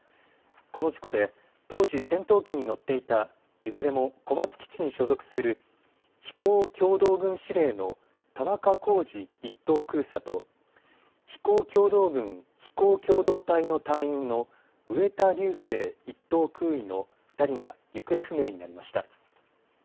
この事故で当時、戦闘機に乗っていたいずれも小松基地に所属する飛行教導群司令の田中公司１等空佐と飛行教導群飛行教導隊の隊員の植田竜生１等空尉の２人が行方不明になりました。